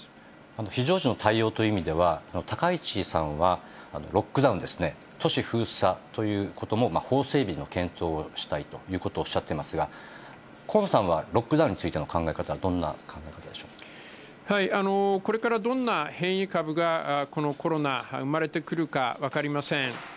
非常時の対応という意味では、高市さんはロックダウンですね、都市封鎖ということも法整備の検討もしたいということをおっしゃっていますが、河野さんはロックダウンについての考え方はどんなこれからどんな変異株が、このコロナ、生まれてくるか分かりません。